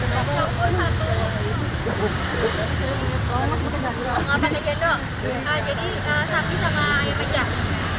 jadi sate sama ayam pecah